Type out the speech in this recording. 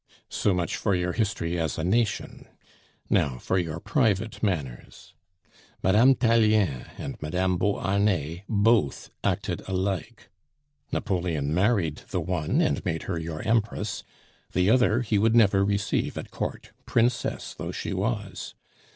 So much for your history as a nation. Now for your private manners. Mme. Tallien and Mme. Beauharnais both acted alike. Napoleon married the one, and made her your Empress; the other he would never receive at court, princess though she was.